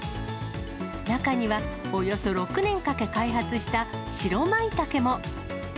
中には、およそ６年かけ開発した白まいたけも。